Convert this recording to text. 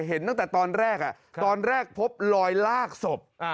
เห็นตั้งแต่ตอนแรกตอนแรกพบลอยลากศพ